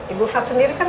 ibu fad sendiri kan